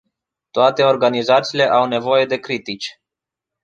Toate organizațiile au nevoie de critici.